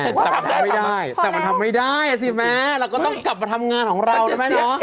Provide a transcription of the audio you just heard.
แต่มันทำไม่ได้แต่มันทำไม่ได้อ่ะสิแม่เราก็ต้องกลับมาทำงานของเรานะแม่เนาะ